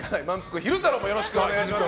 昼太郎もよろしくお願いします。